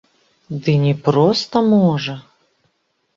Ды не проста можа!